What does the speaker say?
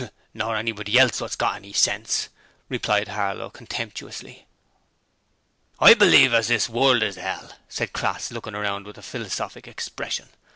'Nor nobody else, what's got any sense,' replied Harlow, contemptuously. 'I believe as THIS world is 'ell,' said Crass, looking around with a philosophic expression.